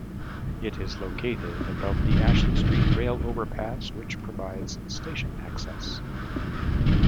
It is located above the Ashley Street rail overpass, which provides station access.